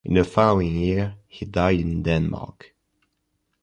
In the following year he died in Denmark.